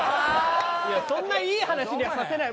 いやそんないい話にはさせない。